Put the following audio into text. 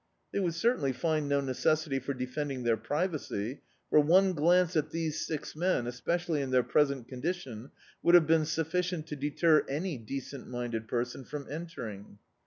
They would certainly find no necessity for defending their privacy, for one glance at these six men, especially in their present condition, would have been sufficient to deter any decent minded person from entering.